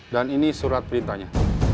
dan ini surat perintahnya